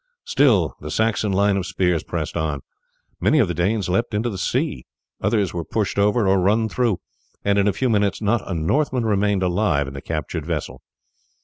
Still the Saxon line of spears pressed on. Many of the Danes leapt into the sea, others were pushed over or run through, and in a few minutes not a Northman remained alive in the captured vessel.